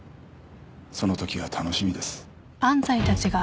そのときが楽しみです。